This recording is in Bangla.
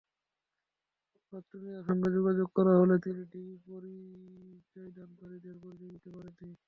বাচ্চু মিয়ার সঙ্গে যোগাযোগ করা হলে তিনি ডিবি পরিচয়দানকারীদের পরিচয় দিতে পারেননি।